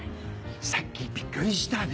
さっきびっくりしたね。